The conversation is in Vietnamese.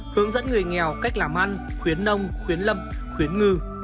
hướng dẫn người nghèo cách làm ăn khuyến nông khuyến lâm khuyến ngư